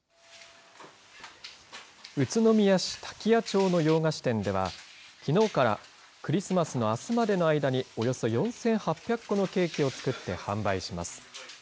宇都宮市滝谷町の洋菓子店では、きのうからクリスマスのあすまでの間に、およそ４８００個のケーキを作って販売します。